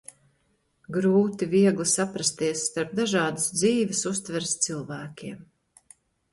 Grūti, viegli saprasties, starp dažādas dzīves uztveres cilvēkiem.